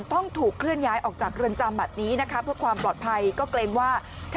ต้องถูกเคลื่อนย้ายออกจากเรือนจำแบบนี้นะคะเพื่อความปลอดภัยก็เกรงว่า